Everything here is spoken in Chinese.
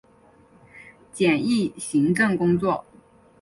简易行政工作